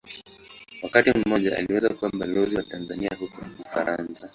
Wakati mmoja aliweza kuwa Balozi wa Tanzania huko Ufaransa.